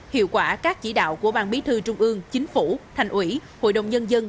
hiệu quả các chỉ đạo của ban bí thư trung ương chính phủ thành ủy hội đồng nhân dân